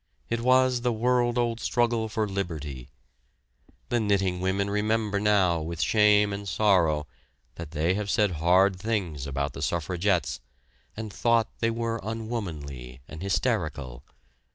It was the world old struggle for liberty. The knitting women remember now with shame and sorrow that they have said hard things about the suffragettes, and thought they were unwomanly and hysterical.